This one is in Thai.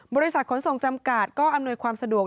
บริษัทขนส่งจำกัดก็อำนวยความสะดวก